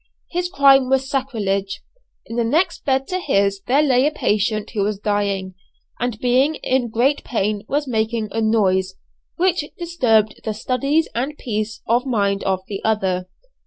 His crime was sacrilege. In the next bed to his there lay a patient who was dying, and being in great pain was making a noise, which disturbed the studies and peace of mind of the other.